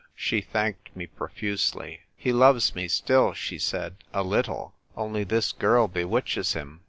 She thanked me profusei}', " He loves me still," she said, "a little; only, this girl bewitches him.